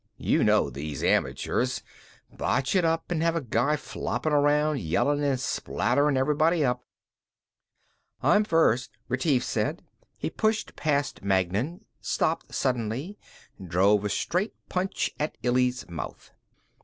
You know these amateurs; botch it up and have a guy floppin' around, yellin' and spatterin' everybody up." "I'm first," Retief said. He pushed past Magnan, stopped suddenly, drove a straight punch at Illy's mouth.